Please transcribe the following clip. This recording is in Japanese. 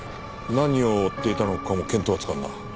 何を追っていたのかも見当がつかんな。